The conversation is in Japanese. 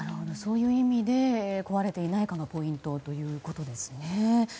そういう意味で壊れていないかがポイントということですね。